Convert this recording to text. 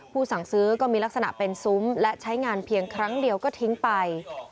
สั่งซื้อก็มีลักษณะเป็นซุ้มและใช้งานเพียงครั้งเดียวก็ทิ้งไป